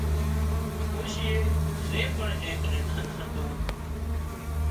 ڏوشيئي زي پڻ اين ڪنين ڌنَ هتون